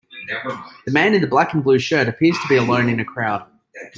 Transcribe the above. The man in the black and blue shirt appears to be alone in a crowd.